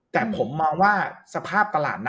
แต่ผมมองว่าสภาพตลาดนะ